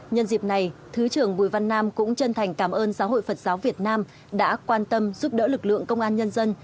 nhân dịp này thứ trưởng bùi văn nam cũng chân thành cảm ơn giáo hội phật giáo việt nam đã quan tâm giúp đỡ lực lượng công an nhân dân